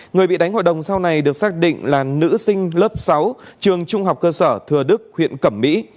người bị đánh hội đồng sau này được xác định là nữ sinh lớp sáu trường trung học cơ sở thừa đức huyện cẩm mỹ